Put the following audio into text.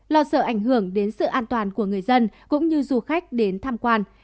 lo sợ ảnh hưởng đến sự an toàn của người dân cũng như du khách đến tham quan